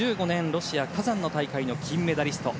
ロシア・カザンの大会の金メダリスト。